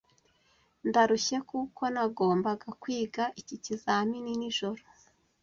Ndarushye kuko nagombaga kwiga iki kizamini nijoro.